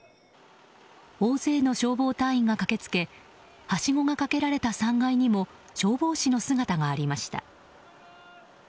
大勢の消防隊員が駆け付けはしごがかけられた３階にも消防士の姿がありました。